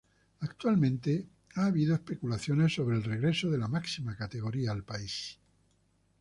Actualmente ha habido especulaciones sobre el regreso de la máxima categoría al país.